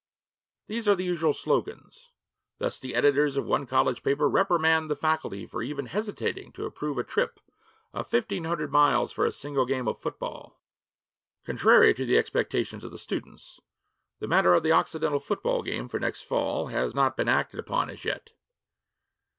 These are the usual slogans. Thus the editors of one college paper reprimand the faculty for even hesitating to approve a trip of fifteen hundred miles for a single game of football: 'Contrary to the expectations of the students, the matter of the Occidental football game for next fall has not been acted upon as yet.